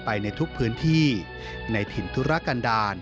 ในทุกพื้นที่ในถิ่นธุรกันดาล